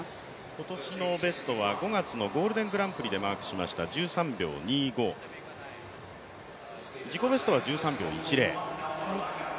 今年のベストは５月のゴールデングランプリでマークしました１３秒２５、自己ベストは１３秒１０。